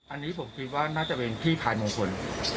อันนี้ผมคิดว่าน่าจะเป็นพี่พายมงคล